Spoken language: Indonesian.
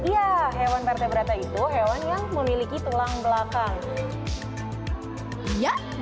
ya hewan vertebrata itu hewan yang memiliki tulang belakang